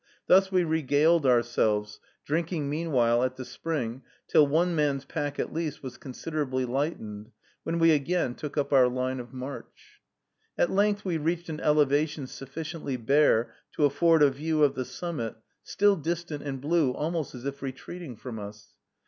Thus we regaled ourselves, drinking meanwhile at the spring, till one man's pack, at least, was considerably lightened, when we again took up our line of march. At length we reached an elevation sufficiently bare to afford a view of the summit, still distant and blue, almost as if retreating from us.